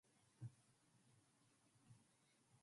It ended up being nothing but a rumor.